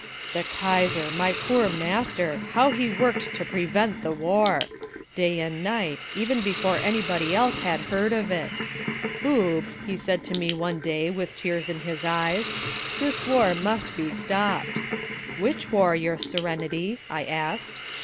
"The Kaiser, my poor master! How he worked to prevent the war! Day and night; even before anybody else had heard of it. 'Boob,' he said to me one day with tears in his eyes, 'this war must be stopped.' 'Which war, your Serenity,' I asked.